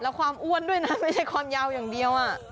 แล้วความอ้วนด้วยนะไม่ใช่ความยาวอย่างเดียว